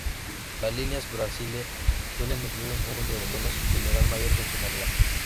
Las líneas braille suelen incluir un conjunto de botones que le dan mayor funcionalidad.